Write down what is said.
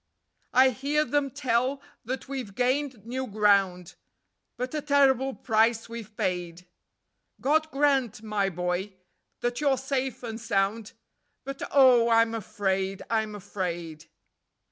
I hear them tell that we've gained new ground, But a terrible price we've paid: God grant, my boy, that you're safe and sound; But oh I'm afraid, afraid."